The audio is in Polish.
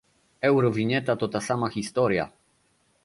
Eurowinieta to ta sama historia